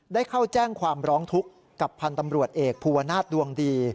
ได้เข้าแจ้งความร้องทุกข์กับพันธ์ตำรวจเอกภูวนาศดวงดี